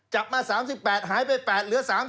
จับมา๓๘หายไป๘เหลือ๓๐